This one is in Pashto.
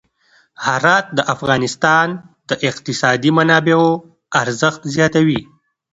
هرات د افغانستان د اقتصادي منابعو ارزښت زیاتوي.